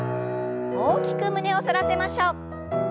大きく胸を反らせましょう。